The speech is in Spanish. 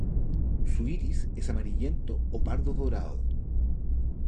Su iris es amarillento o pardo dorado.